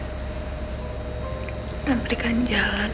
kau telah memberikan jalan